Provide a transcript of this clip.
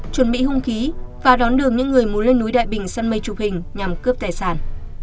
chuẩn bị hung khí và đón đường những người muốn lên núi đại bình sân mây chụp hình nhằm cướp tài sản